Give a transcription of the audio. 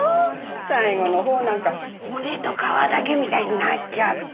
最後のほうなんか骨と皮だけみたいになっちゃって。